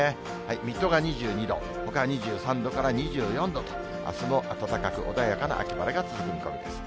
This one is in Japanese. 水戸が２２度、ほか２３度から２４度と、あすも暖かく穏やかな秋晴れが続く見込みです。